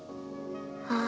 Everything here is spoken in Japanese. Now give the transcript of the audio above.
ああ。